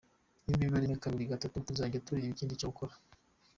Nibiba rimwe, kabiri, gatatu tuzajya tureba ikindi cyo gukora.